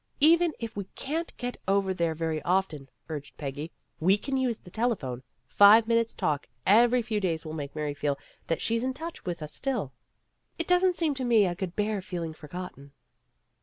'' Even if we can 't get over there very often, '' urged Peggy, '' we can use the telephone. Five minutes talk every few days will make Mary feel that she's in touch with us still. It doesn't 36 PEGGY RAYMOND'S WAY" seem to me I could bear feeling forgotten."